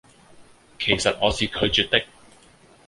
其實我是拒絕的